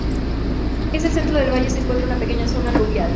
En el centro del valle se encuentra una pequeña zona aluvial.